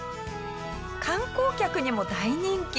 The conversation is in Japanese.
観光客にも大人気。